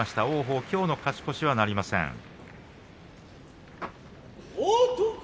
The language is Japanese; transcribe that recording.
王鵬、きょうの勝ち越しはなりません。